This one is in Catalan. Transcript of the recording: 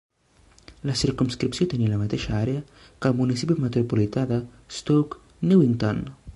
La circumscripció tenia la mateixa àrea que el municipi metropolità de Stoke Newington.